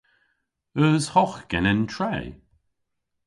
Eus hogh genen tre?